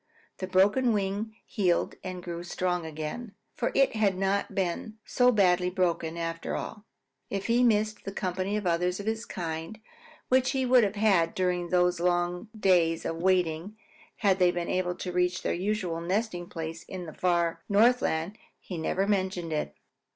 The broken wing healed and grew strong again, for it had not been so badly broken, after all. If he missed the company of others of his kind which he would have had during these long days of waiting had they been able to reach their usual nesting place in the far Northland, he never mentioned it.